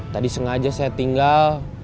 tadi sengaja saya tinggal